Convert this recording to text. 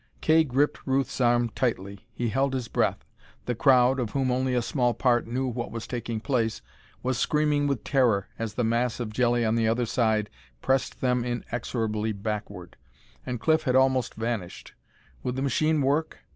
Kay gripped Ruth's arm tightly. He held his breath. The crowd, of whom only a small part knew what was taking place, was screaming with terror as the mass of jelly on the other side pressed them inexorably backward. And Cliff had almost vanished. Would the machine work?